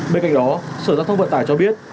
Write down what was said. bên cạnh đó sở giao thông vận tải cho biết